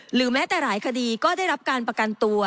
หรือแม้แต่หลายคดีก็ได้รับการประกันตัว